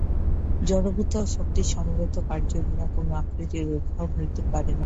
জড়ভূত ও শক্তির সমবেত কার্য বিনা কোন আকৃতির উদ্ভব হইতে পারে না।